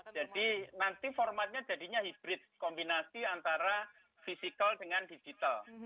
jadi nanti formatnya jadinya hibrid kombinasi antara physical dengan digital